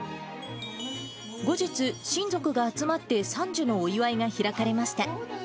後日、親族が集まって傘寿のお祝いが開かれました。